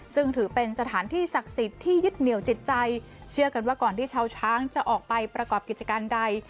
ซึ่งถือเป็นสถานที่ศักดิ์สิทธิ์ที่ยึดเหนียวจิตใจเชื่อกันว่าก่อนที่ชาวช้างจะออกไปประกอบกิจการใด